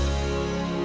kamu juga sama